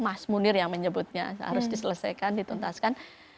mas munir yang menyebutnya harus diselesaikan dituntaskan